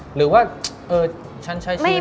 หรือว่าเออฉันใช้ชื่อคนนี้ก็ดี